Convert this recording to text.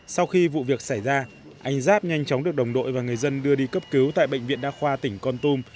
sau khi vụ việc xảy ra anh giáp nhanh chóng được đồng đội và người dân đưa đi cấp cứu tại bệnh viện đa khoa tỉnh con tum